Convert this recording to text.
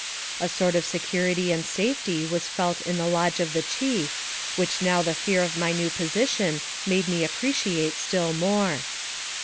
A sort of security and safety was felt in the lodge of the chief, which now the fear of my new position made me appreciate still more.